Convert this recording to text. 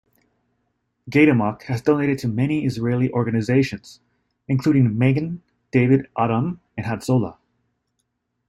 Gaydamak has donated to many Israeli organizations, including Magen David Adom and Hatzolah.